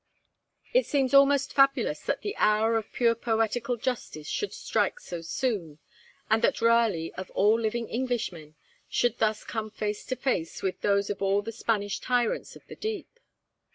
It seems almost fabulous that the hour of pure poetical justice should strike so soon, and that Raleigh of all living Englishmen should thus come face to face with those of all the Spanish tyrants of the deep.